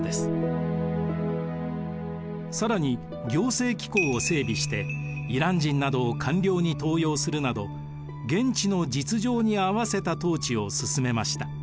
更に行政機構を整備してイラン人などを官僚に登用するなど現地の実情にあわせた統治を進めました。